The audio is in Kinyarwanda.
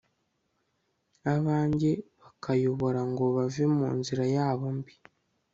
abanjye bakabayobora ngo bave mu nzira yabo mbi